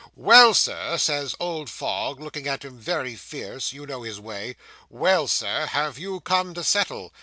"Well, sir," says old Fogg, looking at him very fierce you know his way "well, Sir, have you come to settle?"